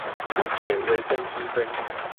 圖解微分積分